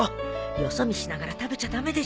よそ見しながら食べちゃ駄目でしょ。